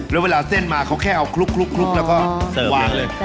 แล้วเวลาเส้นมาเขาแค่เอาคลุกแล้วก็วางเลย